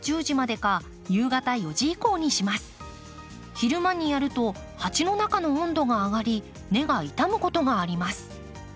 昼間にやると鉢の中の温度が上がり根が傷むことがあります。